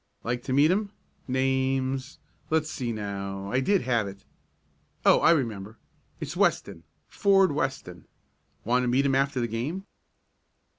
Like to meet him? Name's let's see now I did have it. Oh, I remember, it's Weston Ford Weston. Want to meet him after the game?"